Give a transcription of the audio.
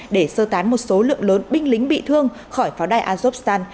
để sơ tán một số lượng lớn binh lính bị thương khỏi pháo đài azokstan